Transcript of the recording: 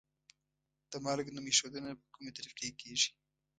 د مالګو نوم ایښودنه په کومې طریقې کیږي؟